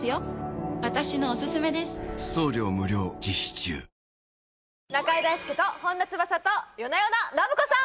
「中居大輔と本田翼と夜な夜なラブ子さん」！